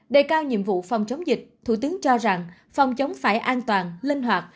đề cao nhiệm vụ phòng chống dịch thủ tướng cho rằng phòng chống phải an toàn linh hoạt